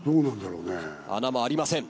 穴もありません。